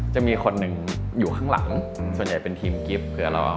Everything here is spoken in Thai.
จะมีคนหนึ่งอยู่ข้างหลังส่วนใหญ่เป็นทีมกิฟต์เผื่อรอ